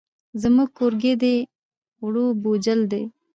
زموږ کورګی دی ووړ بوجل دی.